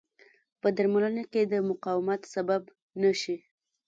په درملنه کې د مقاومت سبب نه شي.